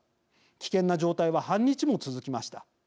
危険な状態は、半日も続きました。